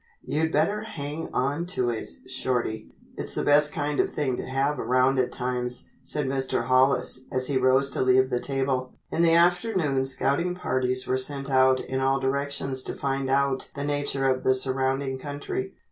"You'd better hang on to it, Shorty. It's the best kind of thing to have around at times," said Mr. Hollis, as he rose to leave the table. In the afternoon scouting parties were sent out in all directions to find out the nature of the surrounding country.